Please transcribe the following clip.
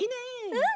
うん。